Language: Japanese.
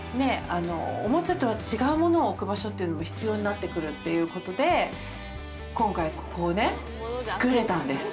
あのおもちゃとは違うモノを置く場所っていうのも必要になってくるっていうことで今回ここをねつくれたんです